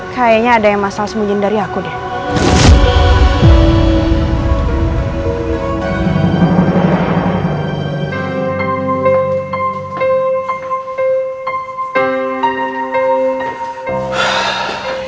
kayaknya ada yang masalah semujin dari aku deh